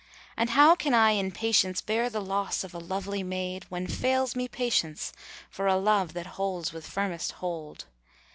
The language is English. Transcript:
And how can I in patience bear the loss of lovely maid, * When fails me patience for a love that holds with firmest hold!